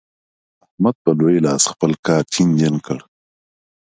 احمد په لوی لاس خپل کار چينجن کړ.